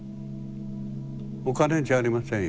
お金じゃありませんよ。